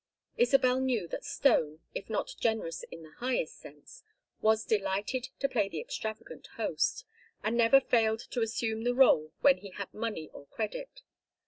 Isabel knew that Stone, if not generous in the higher sense, was delighted to play the extravagant host, and never failed to assume the rôle when he had money or credit.